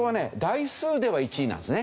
台数では１位なんですね。